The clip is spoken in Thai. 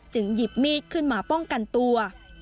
หยิบมีดขึ้นมาป้องกันตัว